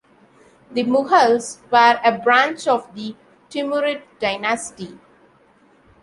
The Mughals were a branch of the Timurid dynasty.